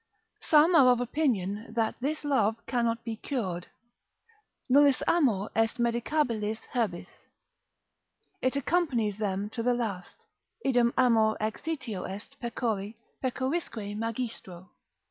Some are of opinion that this love cannot be cured, Nullis amor est medicabilis herbis, it accompanies them to the last, Idem amor exitio est pecori pecorisque magistro.